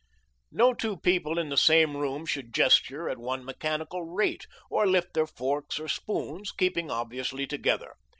No two people in the same room should gesture at one mechanical rate, or lift their forks or spoons, keeping obviously together.